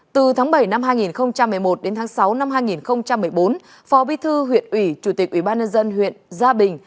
từ tháng bảy năm hai nghìn một mươi một đến tháng sáu năm hai nghìn một mươi bốn phó bí thư huyện uyển chủ tịch ubnd huyện gia bình